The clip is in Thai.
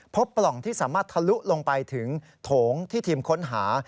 ปล่องที่สามารถทะลุลงไปถึงโถงที่ทีมค้นหา